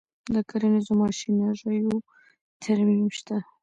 د کرنیزو ماشینریو ترمیم شته